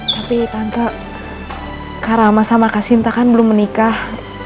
tapi tante karama sama kasinta kan belum menikah